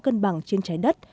cân bằng trên trái đất